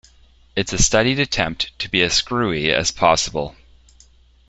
It's a studied attempt to be as screwy as possible.